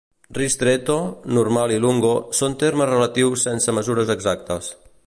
Ristretto, normal i lungo són termes relatius sense mesures exactes.